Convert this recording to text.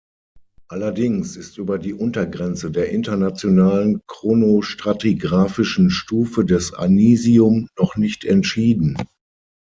Allerdings ist über die Untergrenze der internationalen chronostratigraphischen Stufe des Anisium noch nicht entschieden.